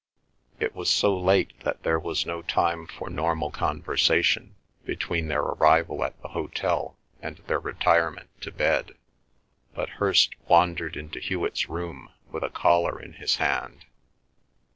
It was so late that there was no time for normal conversation between their arrival at the hotel and their retirement to bed. But Hirst wandered into Hewet's room with a collar in his hand.